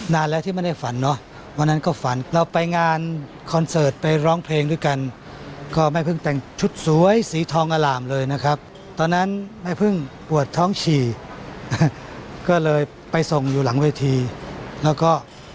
นานแล้วที่ไม่ได้ฝันเนอะวันนั้นก็ฝันเราไปงานคอนเสิร์ตไปร้องเพลงด้วยกันก็แม่พึ่งแต่งชุดสวยสีทองอล่ามเลยนะครับตอนนั้นแม่พึ่งปวดท้องฉี่ก็เลยไปส่งอยู่หลังเวทีแล้วก็